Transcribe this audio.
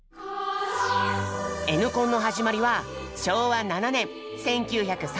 「Ｎコン」の始まりは昭和７年１９３２年。